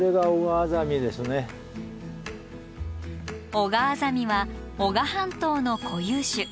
オガアザミは男鹿半島の固有種。